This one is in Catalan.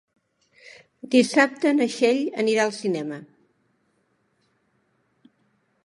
Dissabte na Txell anirà al cinema.